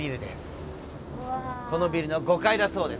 このビルの５階だそうです。